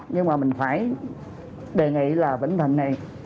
nhưng mà mình phải đề nghị là bình thịnh này